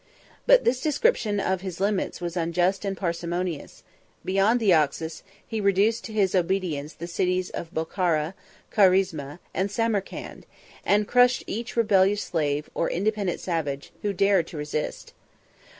But this description of his limits was unjust and parsimonious: beyond the Oxus, he reduced to his obedience the cities of Bochara, Carizme, and Samarcand, and crushed each rebellious slave, or independent savage, who dared to resist.